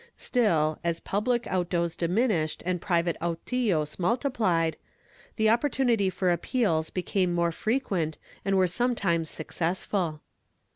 ^ Still, as public autos diminished and private autillos multiplied, the opportunity for appeals be came more frequent and were sometimes successful.